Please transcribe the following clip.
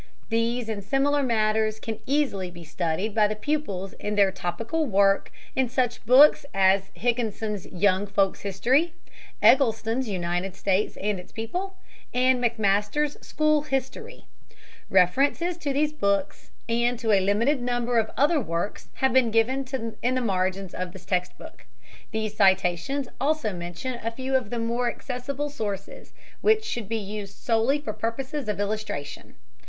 These and similar matters can easily be studied by the pupils in their topical work in such books as Higginson's Young Folks' History, Eggleston's United States and its People, and McMaster's School History. References to these books and to a limited number of other works have been given in the margins of this text book. These citations also mention a few of the more accessible sources, which should be used solely for purposes of illustration.